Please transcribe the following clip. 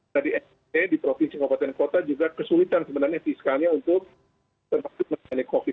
tadi sdp di provinsi kota dan kabupaten juga kesulitan sebenarnya fiskalnya untuk termasuk mencari covid sembilan belas